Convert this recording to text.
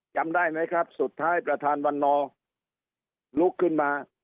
จำได้ไหมครับสุดท้ายประธานวันนอร์ลุกขึ้นมา